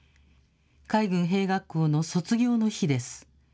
海軍兵学校の卒業の日です。